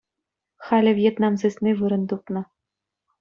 Халӗ Вьетнам сысни вырӑн тупнӑ.